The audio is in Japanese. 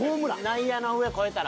内野の上越えたら？